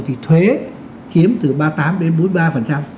thì thuế chiếm từ ba mươi tám đến bốn mươi ba